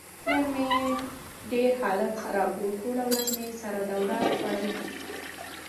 نن مې ډېر حالت خراب و. ټوله ورځ مې سره دوره خوړله.